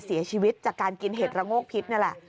เสียชีวิตจากการกินเห็ดระโงกพิษนี่แหละ